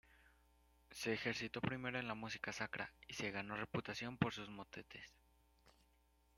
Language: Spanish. Se ejercitó primero en la música sacra y se ganó reputación por sus motetes.